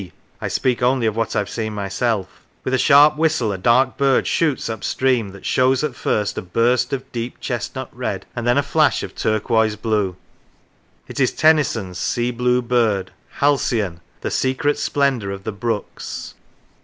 (I speak only of what I have seen myself) with a sharp whistle a dark bird shoots upstream that shows at first a burst of deep chestnut red and then a flash of turquoise blue; it is Tennyson's " sea blue bird," " halcyon," " the secret splendour of the brooks."